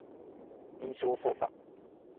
印象操作